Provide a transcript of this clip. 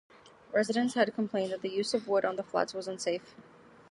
Residents had complained that the use of wood on the flats was unsafe.